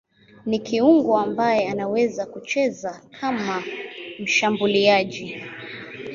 Ni kiungo ambaye anaweza kucheza kama mshambuliaji.